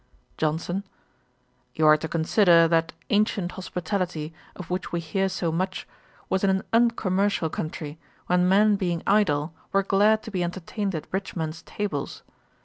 JOHNSON. 'You are to consider that ancient hospitality, of which we hear so much, was in an uncommercial country, when men being idle, were glad to be entertained at rich men's tables.